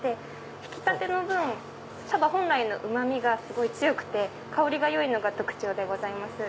ひきたての分茶葉本来のうま味がすごい強くて香りがよいのが特徴でございます。